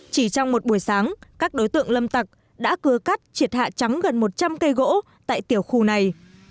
chỉ trong một buổi sáng các đối tượng lâm tặc đã cưa cắt triệt hạ trắng gần một trăm linh cây gỗ tại tiểu khu này